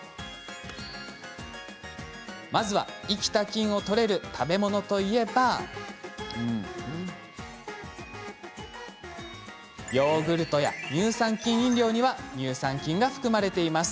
まずは生きた菌をとれる食べ物といえばヨーグルトや乳酸菌飲料には乳酸菌が含まれています。